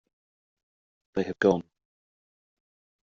They have gone.